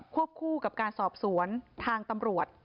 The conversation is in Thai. วบคู่กับการสอบสวนทางตำรวจ